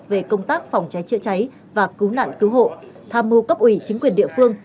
về công tác phòng cháy chữa cháy và cứu nạn cứu hộ tham mưu cấp ủy chính quyền địa phương